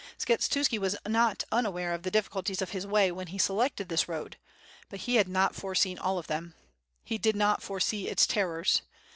Skshe tuski was not unaware of the difficulties of his way when he selected this road, but he had not foreseen all of them. He did not foresee its terrors.